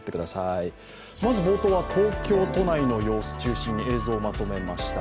まず冒頭は東京都内の様子、中心に映像まとめました。